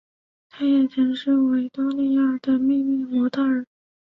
她也曾经是维多利亚的秘密的模特儿。